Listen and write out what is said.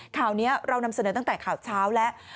ข่าวนี้เรานำเสนอตั้งแต่ข่าวเช้าแล้ว